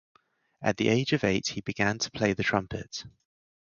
At the age of eight, he began to play the trumpet.